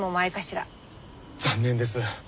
残念です。